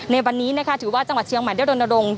ในวันนี้นะคะถือว่าจังหวัดเชียงใหม่ได้รณรงค์